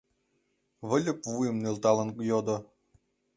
— Выльып вуйым нӧлталын йодо.